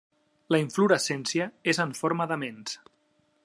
La inflorescència és en forma d'aments.